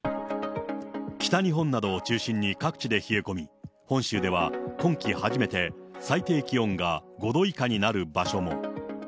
北日本などを中心に各地で冷え込み、本州では今季初めて最低気温が５度以下になる場所も。